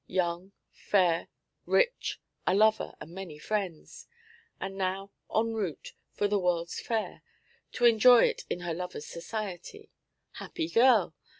Young, fair, rich; a lover and many friends; and now en route for the World's Fair, to enjoy it in her lover's society. Happy girl!